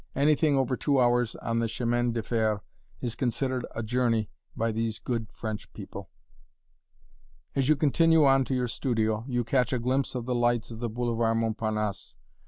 Anything over two hours on the chemin de fer is considered a journey by these good French people! As you continue on to your studio, you catch a glimpse of the lights of the Boulevard Montparnasse.